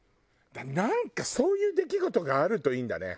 だからなんかそういう出来事があるといいんだね。